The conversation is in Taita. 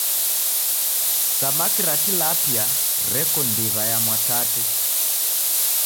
Samaki ra Tilapia reko ndiw'a ya Mwatate.